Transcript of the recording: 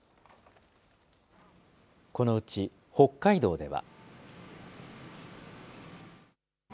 このうち北海道では。